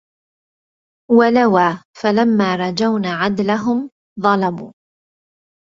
ولوا فلما رجونا عدلهم ظلموا